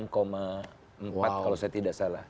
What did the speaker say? kalau saya tidak salah